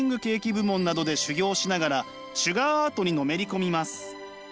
部門などで修業しながらシュガーアートにのめり込みます。